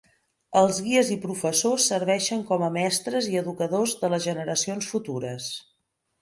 Els guies i professors serveixen com a mestres i educadors de les generacions futures.